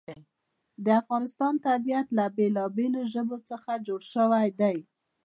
د افغانستان طبیعت له بېلابېلو ژبو څخه جوړ شوی دی.